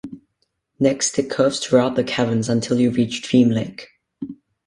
Next it curves throughout the caverns until you reach Dream Lake.